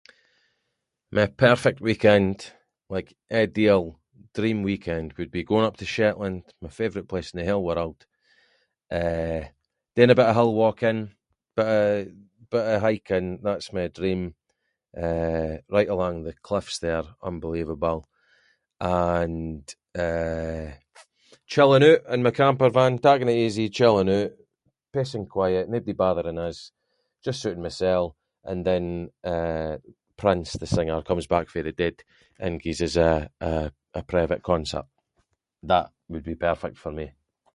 My perfect weekend, like ideal, dream weekend, would be going up to Shetland, my favourite place in the whole world, eh, doing a bit of hill walking, bit of- bit of hiking, that’s my dream, eh, right along the cliffs there, unbelievable, and eh, chilling oot in my campervan, taking it easy, chilling oot, peace and quiet, naebody bothering us, just suiting mysel, and then eh Prince, the singer, comes back fae the dead and gies us a- a private concert. That would be perfect for me.